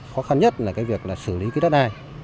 khó khăn nhất là việc xử lý đất đai